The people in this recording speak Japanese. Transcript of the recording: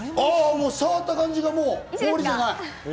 もう触った感じが氷じゃない！